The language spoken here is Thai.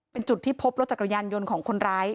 เป็นจุดที่พบรถจักรยานยนต์ของคนร้าย